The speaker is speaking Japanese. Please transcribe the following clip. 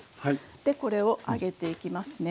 でこれを揚げていきますね。